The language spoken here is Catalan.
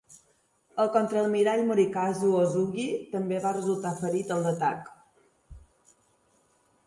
El contraalmirall Morikazu Osugi també va resultar ferit en l'atac.